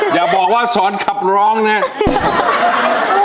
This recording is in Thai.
อย่าบอกว่าสอนขับร้องเนี่ย